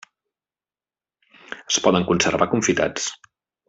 Es poden conservar confitats.